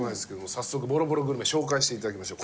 早速ボロボログルメ紹介して頂きましょう。